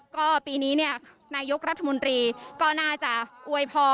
ก็ปีนี้เนี่ยนายกรัฐมนตรีก็น่าจะอวยพอ